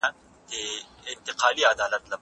ايا ته غواړې چي يو پياوړی ليکوال سې؟